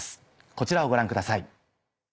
こちらをご覧ください。